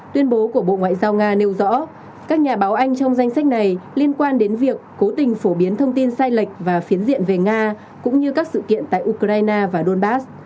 tuyên bố của bộ ngoại giao nga nêu rõ các nhà báo anh trong danh sách này liên quan đến việc cố tình phổ biến thông tin sai lệch và phiến diện về nga cũng như các sự kiện tại ukraine và donbass